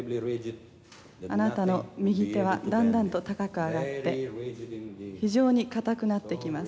「あなたの右手はだんだんと高く上がって非常に硬くなってきます」